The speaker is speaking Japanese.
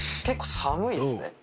結構寒いですね